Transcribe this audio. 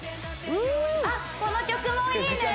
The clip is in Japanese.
あっこの曲もいいね